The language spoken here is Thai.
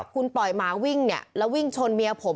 คุณปล่อยหมาวิ่งเนี่ยแล้ววิ่งชนเมียผม